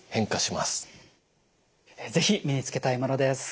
是非身につけたいものです。